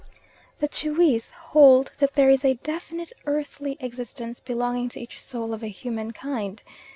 The Tschwis hold that there is a definite earthly existence belonging to each soul of a human kind.